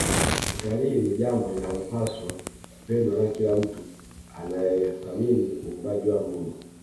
Utalii ni jambo linalopaswa kupendwa na kila mtu anayethamini uumbaji wa Mungu